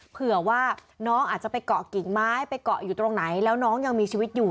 เผื่อว่าน้องอาจจะไปเกาะกิ่งไม้ไปเกาะอยู่ตรงไหนแล้วน้องยังมีชีวิตอยู่